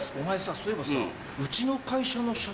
そういえばさ。